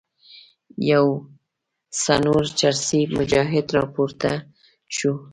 یو څڼور چرسي مجاهد راپورته شو.